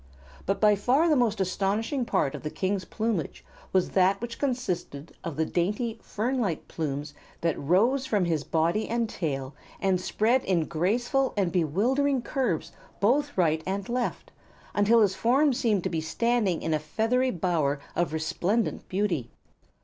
But by far the most astonishing part of the King's plumage was that which consisted of the dainty, fern like plumes that rose from his body and tail and spread in graceful and bewildering curves both right and left, until his form seemed to be standing in a feathery bower of resplendent beauty.